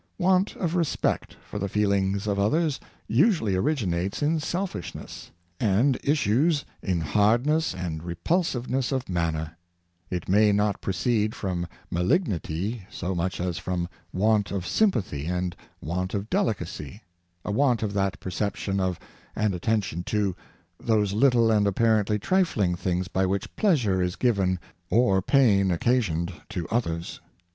Want of respect for the feelings of others usually originates in selfishness, and issues in hardness and re pulsiveness of manner. It may not proceed from ma lignity so much as from want of sympathy and want of delicacy — a want of that perception of, and attention to, those little and apparently trifling things by which pleasure is given or pain occasioned to others.